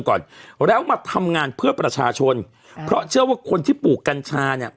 ก่อนแล้วมาทำงานเพื่อประชาชนเพราะเชื่อว่าคนที่ปลูกกัญชาเนี่ย